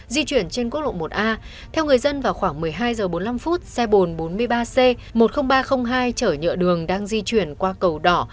di chuyển trên quốc lộ một a theo người dân vào khoảng một mươi hai h bốn mươi năm xe bồn bốn mươi ba c một mươi nghìn ba trăm linh hai chở nhựa đường đang di chuyển qua cầu đỏ